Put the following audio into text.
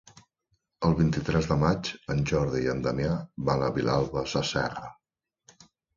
El vint-i-tres de maig en Jordi i en Damià van a Vilalba Sasserra.